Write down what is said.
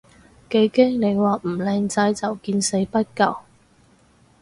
幾驚你話唔靚仔就見死不救